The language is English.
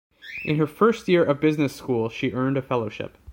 In her first year of business school, she earned a fellowship.